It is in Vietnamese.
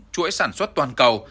chuỗi sản xuất toàn cầu